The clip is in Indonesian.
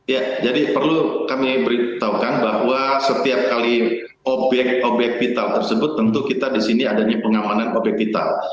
ya jadi perlu kami beritahukan bahwa setiap kali obyek obyek vital tersebut tentu kita di sini adanya pengamanan objek vital